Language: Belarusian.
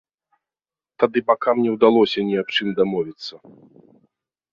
Тады бакам не ўдалося ні аб чым дамовіцца.